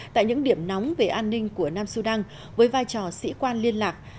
tại những điểm nóng về an ninh của nam sudan với vai trò sĩ quan liên lạc